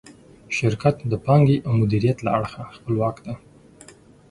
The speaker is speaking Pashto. شرکت د پانګې او مدیریت له اړخه خپلواک دی.